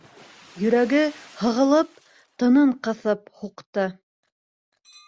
Йөрәге һығылып, тынын ҡыҫып һуҡты.